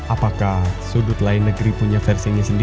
apakah sudut lain negeri punya versinya sendiri